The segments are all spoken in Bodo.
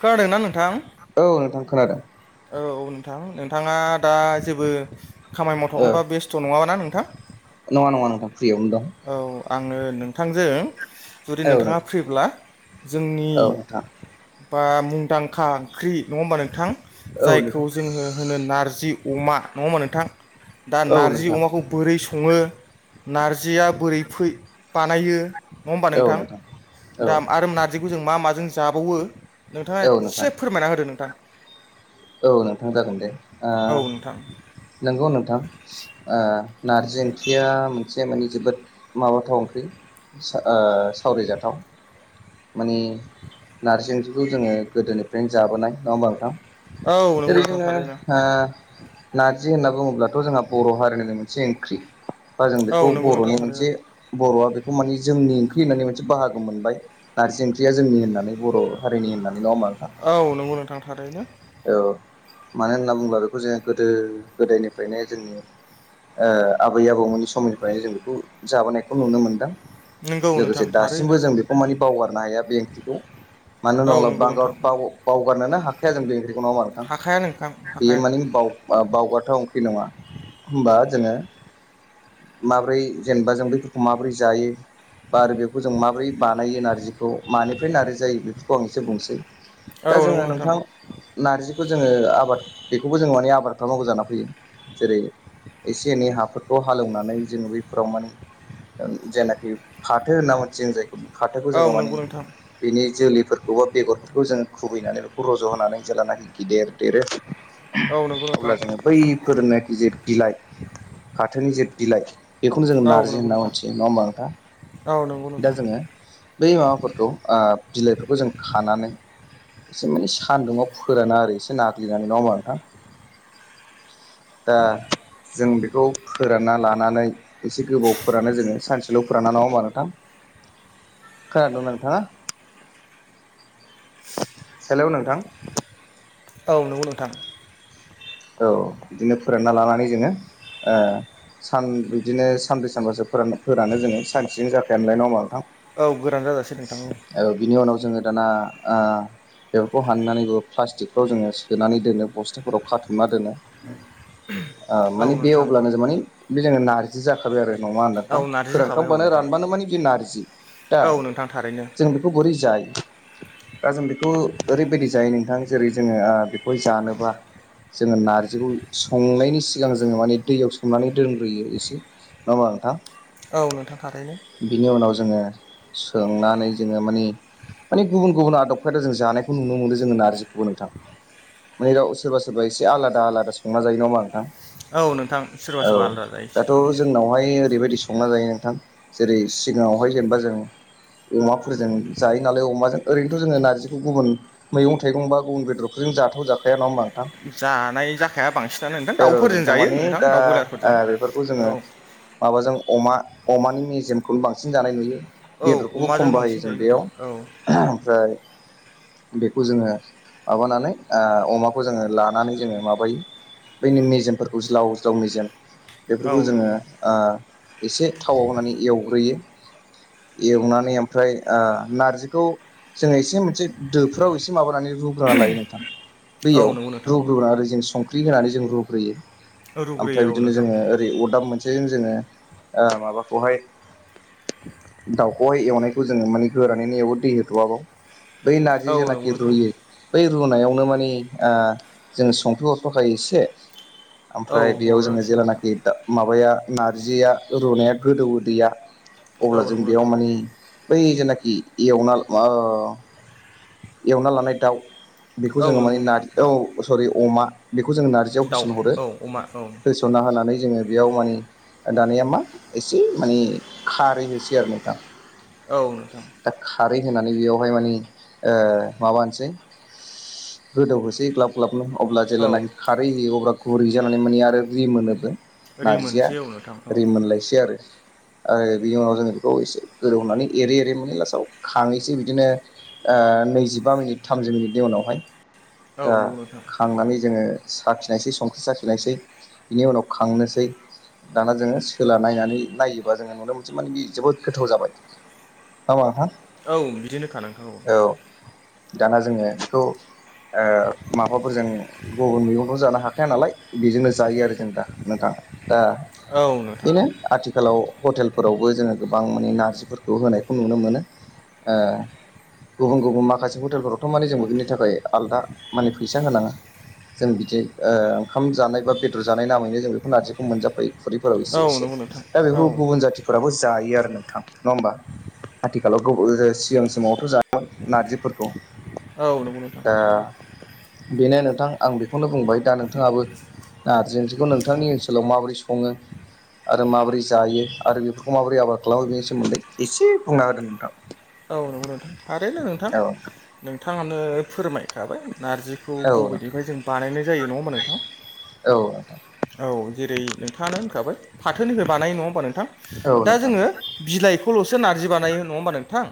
खोनादोंना नोंथां औ नोंथां खोनादों औ औ नों थां नोंथाङा दा जेबो खामानि औ मावथ'वाखैबा बेस्थ' नङाबा ना नोंथां नङा नङा नोंथां फ्रियावनो दं औ आङो नोंथांजों जुदि औ नोंथाङा फ्रिब्ला जोंनि नोंथां बा मुंदांखा ओंख्रि नङा होमबा नोंथां औ जायखौ नोंथां जोङो होनो नारजि अमा नङा होमा नोंथां दा औ नार्जि नोंथां औ नोंथां अमाखौ बोरै सं सङो नारजिया बोरै फै बानायो नङा होमबा नोंथां औ दा आरो नार्जिखौ जों मा माजों जाबावो नोंथाङा औ नोंथां एसे फोरमायना होदो नोंथां औ नोंथां जागोन दे आ औ नोंथां नोंगौ नोंथां आ नारजि ओंख्रिया मोनसे माने जोबोद माबाथाव ओंख्रि सावरायजाथाव माने नारजि ओंख्रिखौ जोङो गोदोनिफ्रायनो जाबोनाय नङा होमबा नोंथां औ [unintelligible] नंगौ नोंथां थारैनो आ नारजि होनना बुङोब्लाथ' जोंहा बर' हारिनि मोनसे ओंख्रि बा जों बेखौ औ नंगौ नोंथां बर'नि थारैनो मोनसे बर'आ बेखौ बेखौ माने जोंनि ओंख्रि होननानै मोनसे बाहागो मोनबाय नारजि ओंख्रिया जोंनि होननानै बर' हारिनि होननानै नङा होमबा नोंथां औ नोंगौ नोंथां थारैनो मानो होनना बुङोब्ला बेखौ जोङो गोदो गोदायनिफ्रायनो जोंङो ओ आबै आबौमोननि समनिफ्रायनो जों बेखौ जाबोनायखौ नुनो मोनदों नंगौ लोगोसे नोंथां थारैनो दासिमबो जों बेखौ मानि बावगारनो हाया बे ओंख्रिखौ मानो औ होनोब्ला नंगौ नोंथां भारत बाव बाव गारनोनो हाखाया जों बे ओंख्रिखौ नङा नोंथां हाखाया नोंथां बेयो हाखाया मानि बाव बावगार जाथाव ओंख्रि नङा होनोमबा जोङो माबोरै जेनेबा जों बेफोरखौ माबोरै जायो बा आरो बेखौ जों माबोरै बानायो नार्जिखौ मानिफ्रायनो नारजि जायो बेफोरखौ आं एसे बुंनोसै औ नोंगौ नोंथां नार्जिखौ जोङो आबाद बेखौबो जोङो माने आबाद खालामनांगौ जाना फैयो। जेरै- एसे एनै हाफोरखौ हालेवनानै जोङो बेफोराव माने जायनाखि फाथो होनना मोनथियो जाय फाथोखौ औ जोङो माने नंगौ नोंथां बिनि जोलैफोरखौ बा बेगरफोरखौ जोङो खुबैनानै बेखौ रज' होनानै जेब्लनाखि गिदिर देरो औ नंगौ नोंथां अब्ला जोङो बैफोरनाखि जा बिलाइ फाथोनि जे बिलाइ बेखौनो जोङो औ नारजि नंगौ होनना नोंथां मिथियो नङा होमबा नोंथा। औ नंगौ दा नोंथां जोङो बै माबाफोरखौ बिलाइफोरखौ जों खानानै एसे माने सान्दुंङाव फोरानो आरो एसे नाग्लिनानै नङा होमा नोंथां। दा जों बेखौ फोरानना लानानै एसे गोबाव फोरानो जोङो सानसे हेलौ फोरानो नङा होमबा नोंथां। खोनादोंंना नोंथाङा? [inaudible] हेल' नोंथां औ नंगौ नोंथां। औ बिदिनो फोरानना लानानै जोङो ओ सान बिदिनो सानब्रै सानबासो फोरान फोरानो जोङो सानसेजों जाखायामलाय नङाहोनबा नोंथां? औ गोरान जाजासे नोंथां औ। बिनि उनाव जोङो दाना ओ बेफोरखौ हाननानैबो प्लास्टिकफ्राव जोङो सोनानै दोनो बस्थाफोराव खाथे ना दोनो। ओ औ माने बे नोंथां अब्लानो जों माने बे जोंनो नारजि जाखाबाय आरो। नङा होनबा नोंथां। औ नारजि जाखाबाय औ फोरानखांबानो नोंथां रानबानो माने बि नारजि। दा औ नोंथां थारैनो जों बेखौ बोरै जायो दा जों बेखौ ओरैबायदि जायो नोंथां जेरै जोङो बेखौहाय जानोबा जोङो नारजिखौ संनायनि सिगां जोङो माने दैयाव सोमनानै दोनग्रोयो एसे नंआ होनबा नोंथां? औ नोंथां थारैनो बिनि उनाव जोङो सोमनानै जोङो माने माने गुबुन गुबुन आदब खायदा जों जानायखौ नुनो मोनो जोङो नारजिखौ औ नोंथां माने गाव सोरबा सोरबा एसे आलादा आलादा संना जायो होनबा नोंथां। औ नोंथां सोरबा सोरबा औ आलादा जायो एसे दाथ' औ जोंनावहाय ओरैबायदि संना जायो नोंथां। जेरै सिगाङावहाय जेनेबा जों अमाफोरजों जायो नालाय अमाजों। ओरैनोथ' जोङो नारजिखौ गुबुन मैगं-थाइगं बा गुबुन बेदरफोरजों जाथाव जाखाया नङा होनबा नोंथां। जानाय जाखाया बांसिनानो नोंथां औ दाउफोरजों नोंथां जायो मानि दा दाउ ओ बयलारफोरजों बेफोरखौ औ जोङो माबाजों अमा अमानि मेजेमखौनो बांसिन जानाय नुयो। औ बेदरखौबो खम अमाजों बाहायो बांसिन जों जायो बेयाव। नोंथां औ ओमफ्राय बेखौ जोङो माबानानै ओ अमाखौ जोङो लां नानै जोङो माबायो बैनि मेजेमफोरखौ उज्लाव उज्लाव मेजेम औ बेफोरखौ जोङो नंगौ ओ एसे थावाव होननानै एवग्रोयो। [inaudible] एवनानै ओमफ्राय ओ नारजिखौ जोङो एसे मोनसे दोफ्राव एसे माबा नानै रुग्रोना लायो नोंथां। औ दैयाव नंगौ नोंथां रुग्रोनानै ओरै जों संख्रि होनानै जों रुग्रोयो। ओमफ्राय रुग्रोयो औ बिदिनो नोंथां जोङो ओरै अरदाब मोनसेजों जोङो ओ माबाखौहाय दाउखौहाय एवनायखौ जोङो माने गोरानैनो एवो दै होथ'वाबो बै नारजि औ नंगौ जेनाखि नोंथां रुयो बै रुनायावनो मानि ओ जों संक्रि हरफाखायो एसे औ ओमफ्राय बेयाव जोङो हरोसै नोंथां जेलानाखि माबाया नारजिया रुनाया गोदौवो दैैया औ अब्ला जों नंगौ बेयाव नोंथां माने बै जेनाखि एवनाला ओ लानाय दाउ बेखौ औ जोङो माने नंगौ नारजि बा औ बे अमा बेखौ जोङो नारजियाव दाउ होसन हरो। औ अमा औ होसनना होनानै जोङो बेयाव माने दानिया मा एसे माने खारै होनोसै आरो नोंथां। औ नोंथां दा खारै होनानै बेयावहाय माने ओ माबा होनोसै गोदौ होनोसै ग्ल'ब ग्लाबनो अब्ला औ जेल्लानाखि खारै होयो अब्ला गुरै जानानै मोनहैयो आरो रि मोनोबो नारजिया रिमोनसै औ नोंथां औ रिमोनलायसै आरो आरो बिनि उनाव जोङो बेखौ एसे गोदौहोनानै एरै एरै मोनो लासाव खाङैसै बिदिनो ओ नैजिबा मिनिट थामजि मिनिटनि उनावहाय दा औ नंगौ नों खांनानै जोङो साखिनायसै संख्रि साखिनायसै बिनि उनाव खांनोसै दाना जोङो सोला नायनानै नायोबा जोङो नुनो मोनसै माने बि जोबोद गोथाव जाबाय। नङा होमबा नोंथां औ बिदिनोखा नोंखागौ औ दाना जोङो बेखौ ओ फोरजों गुबुन मैगंफ्राव जानो हाखाया नालाय बेजोंनो जायो आरो जों दा नोंथां दा औ नोंथां बेनो आथिखालाव हटेल फोरावबो जोङो गोबां माने नारजिफोरखौ होनायखौ नुनो मोनो। ओ गुबुन गुबुन माखासे हटेलफोरावथ' माने जोंबो बिनि थाखाय आलदा माने फैसा होनाङा जों बिदि ओ ओंखाम जानाय बा बेदर जानाय नामैनो जों बेखौ नारजिखौ मोनजाफायो खुरैफोराव एसे औ एसे नंगौ नोंथां दा बे औ गुबुन जाथिफोराबो जायो। जायो आरो नोंथां नङा होमबा? आथिखालाव गोबां जे सिगां समावथ' जायामोन नारजिफोरखौ औ नंगौ नोथां दा थारैनो बेनो नोंथां आं बेखौनो बुंबाय दा नोंथाङाबो नारजि ओंख्रिखौ नोंथांनि ओनसोलाव माबोरै सङो आरो माबोरै जायो आरो बेफोरखौ माबोरै आबाद खालामो बेनि सोमोन्दै एसे बुंना होदो नोंथां। औ नंगौ नोंथां थारैनो नोंथां औ नोंथाङानो फोरमायखाबाय नार्जिखौ औ नोंथां बबेनिफ्राय जों बानायनाय जायो नङा होमबा नोंथां औ नोंथां औ जेरै नोंथाङानो होनखाबाय फाथोनिफ्राय बानाय नङा होमबा नोंथां औ दा नोंथां जोङो बिलाइ खौल'सो नारजि बानायो नङा होनोमबा नोंथां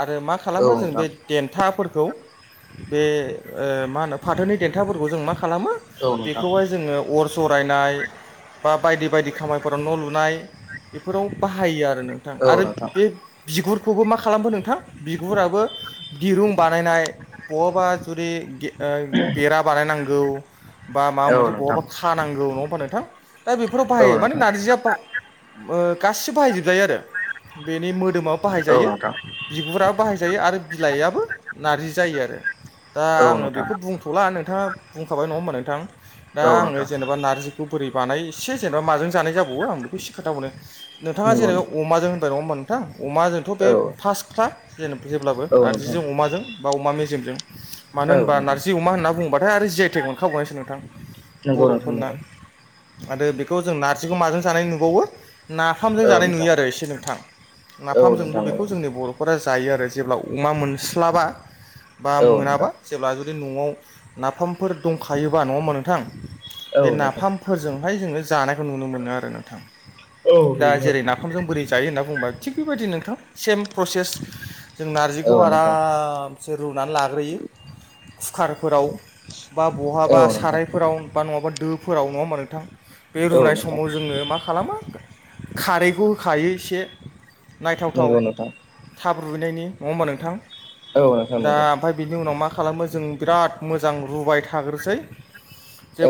आरो मा औ खालामो जों बे नोंथां देन्थाफोरखौ बे ओ मा होनो फाथोनि देेंथाफोरखौ जों मा खालामो औ नोंथां बेखौहाय जोङो अर जरायनाय बा बायदि बायदि खामानिफोराव न' लुनाय बेफोराव बाहायो आरो नोंथां औ आरो बे नोंथां बिगुरखौबो माखा मा खालामखो नोंथां बिगुराबो दिरुं बानायनाय बहाबा जुदि ओ बेरा बानायनांगौ बा माबा मोनसे बहाबा खानांगौ नङा होमबा नोंथां दा बेफोराव औ बाहायो माने नोंथां नारजिया ओ गासिबो बाहायजोबजायो आरो बेनि मोदोमाव औ बाहायजायो नोंथां बिगुराबो बाहायजायो आरो बिलाइआबो नारजि जायो आरो दा औ आङो नोंथां बेखौ बुंथ'ला नोंथाङा बुंखाबाय नङा होमबा नोंथां औ दा आङो नोंथां जेनेबा नार्जिखौ बोरै बानायो एसे जेनेबा माजों जानाय जाबावो आं बेखौ एसे खोनथााबावनो नोंथाङा नंगौ जेनेबा नोंथां अमाजों होनबाय नङा होमबा नोंथां अमाजोंथ' बे औ था जेन जेब्लाबो औ नोंथां नारजिजों अमाजों बा अमा मेजेमजों मानो औ होनबा नोंथां नारजि अमा होनना बुंङोबाथाय आरो जि आइ टेग मोनखाबावनायसो नोंथां नंगौ नोंथां बर'फोरना नंगौ आरो बेखौ जों नारजिखौ माजों जानाय नुबावो नाफामजों औ जानाय नोंथां नुयो आरो एसे नोंथां औ नाफामजोंबो नोंथां बेखौ जोंनि बर'फोरा जायो आरो जेब्ला अमा मोनस्लाबा बा औ मोनाबा नोंथां जेब्ला जु न'आव नाफामफोर दंखायोबा नङ हा नोंथां औ बे नोंथां नाफामफोरजोंहाय जोङो जानायखौ नुनो मोनो आरो नोंथां दा जेरै औ नाफामजों बोरै जायो होनना बुंबा थिग बेबायदि नोंथां सेम प्रसेस जों नोंथां नारजिखौ औ नोंथां आरामसे रुनानै लाग्रोयो कुकारफोराव बा बहाबा सारायफोराव बा नङाबा दोफोराव नङा होमा नोंथां बे औ नोंथां औ रुनाय नोंथां समाव जोंनो मा खालामो खारैखौ होखायो एसे नायथावथाव नोंगौ नोंथां थाब रुैनायनि नङा होमबा नोंथां औ नोंथां दा नंगौ आमफफ्राय बिनि उनाव मा खालामो जों बिराद मोजां रुबाय थाग्रोसै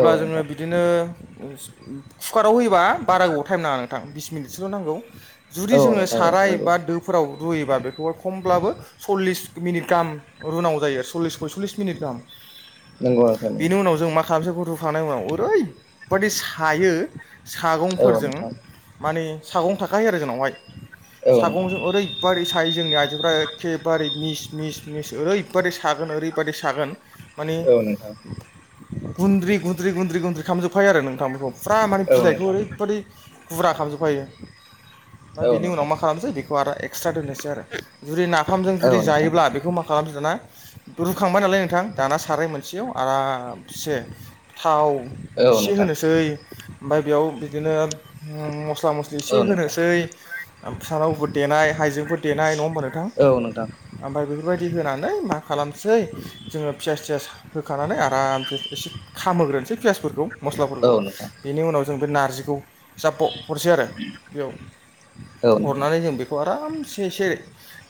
औ जोङो नोंथां औ नोंथां बिदिनो कुकाराव होयोबा बारा गोबाव टाइम नाङा नोंथां बिस मिनिटसोल' नांगौ जुदि औ जोङो नंगौ नंगौ नोंथां साराय बा दो रुयोबा बेखौहाय खमब्लाबो सल्लिस मिनिट गाहाम रुनांगौ जायो सल्लिस पयसललिस मिनिट गाहाम नंगौ औ बेनि उनाव जों मा खालामसै ग रुखांनाय उनाव ओरैबादि सायो सागंफोरजों नोंथां माने सागं थाखायो आरो जोंनावहाय औ नोंथां बादि सायो जोंनि आइजोफ्रा एखेबारे मिस मिस मिस ओरैबादि सागोन ओरैबादि सागोन माने औ नोंथां औ नोंथां औ नोंथां औ गुन्द्रि गुन्द्रि गुन्द्रि गुन्द्रि खालामामजोबखायो आरो नोंथां बेखौ फुरा माने नोंथां औ बिलाइखौ नोंथां ओरैबादि गुरा खालामजोबफायो औ नोंथां औ ओमफ्राय नोंथां औ बेनि उनाव मा खालामनोसै बे खौ आरो एक्सट्रा दोननोसै आरो जुदि नाफामजों जुदि नोंथां जायोब्ला बेखौ मा खालामसै दाना रुखांबाय नालाय नोंथां दाना साराय मोनसेयाव आरामसे थाव एसे होनोसै औ ओमफ्राय बेयाव बिदिनो ओम मस मस्ला मस्लि एसे नोंथां होनोसै ओमफ्राय सामब्राम गुफुर देनाय हाइजें फोर देनाय नङा होमबा नोंथां औ नोंथां ओमफ्राय बे बेबायदि होनानै मा खालामसै जोङो फियास थियास होखानानै आरामसे एसे खामहो होग्रोनोसै पियासफोरखौ औ मस्लाफोरखौ बेनि उनाव जों बे नारजिखौ जाब्ब हरसै आरो बेयाव हरनानै जों बेखौ आरामसे एसे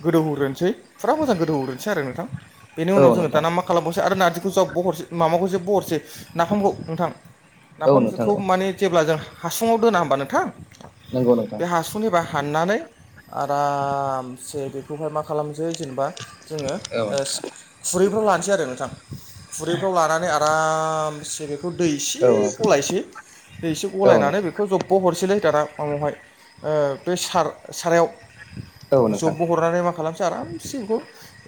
गोदौहोग्रोनोसै फुरा मोजां गोदौहोग्रोनोसै आरो नोंथां बेनि उनाव जोङो नोंथां दाना मा खालामबावसै आरो नारजिखौ जब्ब हरसै माबाखौसो जब्ब हरसै नाफामखौ नोंथां औ नोंथां औ नाफामखौ माने जेब्ला जों हासुुङाव दोना होमबा नोंथां नंगौ नोंथां बे हासुंनिबा हाननानै आरामसे बेखौहाय मा खालामसै जेनेबा जोङो औ नोंथां खुरैफ्राव लानोसै आरो नोंथां खुरैफ्राव लानानै आ आरामसे बेखौ दैसे औ गलायसै दै एसे गलायनानै नोंथां बेखौ जब्ब हरसैलाय दाना माबायावहाय ओ बे सार सारायाव औ नोंथां जबबो हरनानै मा खालामसै आरामसे बेखौ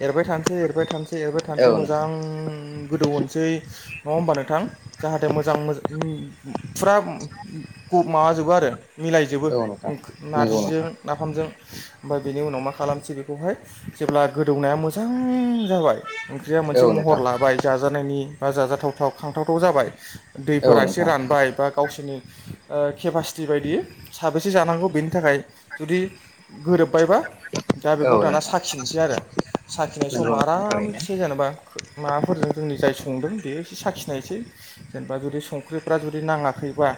एरबाय थानोसै एरबाय थानोसै एसे एरबाय औ नोंथां थानोसै औ नोंथां मोजां गोदौ होनसै नङा होमबा नोंथां? जाहाथे मोजां फुरा माबाजोबो आरो मिलायजोबो औ नोंथां नंगौ नारजिजों नोंथां जों ओमफ्राय बेनि उनाव मा खालामसै बेखौहाय जेब्ला गोदौनाया मोजां जाबाय ओंख्रिया औ मोनसे महर नोंथां लाबाय जाजानायनि बा जाजाथावथाव खांथावथाव जाबाय औ दैफोरा एसे नोंथां रानबाय बा गावसोरनि ओ केपासिटि बायदि साबेसे जानांगौ बेनि थाखाय जुदि गोरोबबायबा दा औ बेखौ दाना नोंथां साखिनोसै आरो साखिनाय नंगौ समाव नोंथां थारैनो आरामसे जेनेबा माबाफोरजों जोंनि जाय संदों बे एसे साखिनायसै जेनेबा जुदि संख्रिफ्रा जुदि नाङाखैबा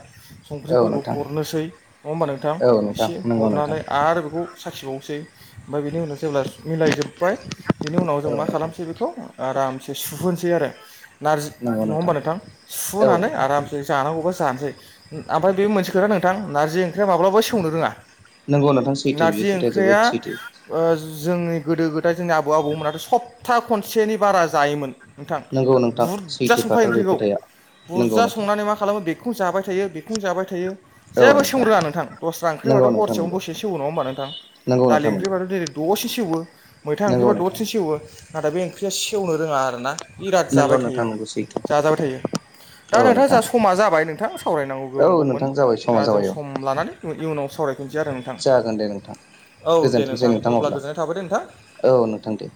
औ नोंथां संख्रिफोरखौ हरनोसै नङा होमबा नोंथां औ नोंथां एसे नंगौ नोंथां हरनानै आरो बेखौ साखिबावनोसै ओमफ्राय बिनि उनाव जेब्ला मिलाय जोब्बाय बिनि उनाव जों औ मा नोंथां खालामसै बेखौ आरो आरामसे सुहोनोसै आरो नारजि नङा होमबा नोंथां औ सुहोनानै नोंथां आरामसे जानांगौबा जानोसै ओमफ्राय बे मोनसे खोथा नोंथां नारजि ओंख्रिया माब्लाबाबो सेवनो रोङा नंगौ नोंथां सैथो बेयो नारजि खोथाया जोबोद ओंख्रिया सैथो ओ जोंनि गोदो गोदाय जोंनि आबौ आबौमोनाथ' सप्ता खनसेनि बारा जायोमोन नोंथां नंगौ नोंथां बुरजा संखायो सैथोखाथार बे ओंख्रिखौ खोथाया नंगौ बुरजा नोंथां संनानै मा खालामो बे बेखौनो जाबाय थायो बेखौनो जाबाय थायो जेबो सेवनो रोङा नोंथां दस्रा नंगौ ओंख्रिबाथ' हर नोंथां नंगौ दसेयाव सेवो नङा होनबा नोंथां? नंगौ दालि नोंथां नंगौ ओंख्रिबाथ' जेरै दसेनो सेवो मैथा नंगौ ओंख्रिबा नोंथां दसेनो सेवो नाथाय बे ओंख्रिया सेवनो रोङा आरोना बिराद नंगौ जाबाय थायो नोंथां नंगौ सैथो जाजाबाय थायो दा औ नोंथाङा जा नोंथां समा जाबाय नोंथाङा सावरायनांगौ औ गोबां दंमोन नोंथां जाबाय दा समा जों जाबाय औ सम लानानै इयुनाव सावरायफिनसै आरो नोंथां जागोन दे नोंथां औ दे गोजोनथोंसै नोंथां अब्ला गोजोननाय थाबाय दे नोंथां औ नोंथां दे